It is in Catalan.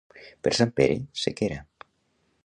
Per Sant Pere, sequera.